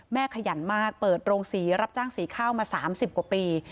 ขยันมากเปิดโรงศรีรับจ้างสีข้าวมา๓๐กว่าปี